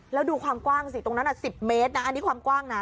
แล้วดูความกว้างสิตรงนั้น๑๐เมตรนะอันนี้ความกว้างนะ